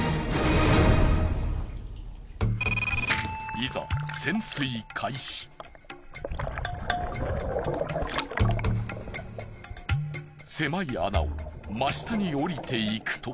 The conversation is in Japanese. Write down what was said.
いざ狭い穴を真下に下りていくと。